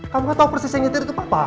kamu gak tahu persis yang nyetir itu papa